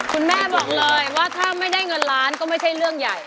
คุณแม่บอกเลยว่าถ้าไม่ได้เงินล้านก็ไม่ใช่เรื่องใหญ่